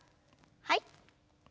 はい。